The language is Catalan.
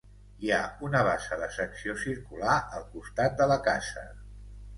Hi ha una bassa de secció circular al costat de la casa.